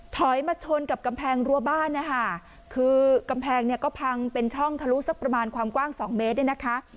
ถอยมาชนกับกำแพงรัวบ้านนะคะคือกำแพงเนี่ยก็พังเป็นช่องทะลุสักประมาณความกว้างสองเมตรเนี่ยนะคะ